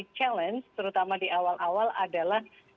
challenge terutama di awal awal adalah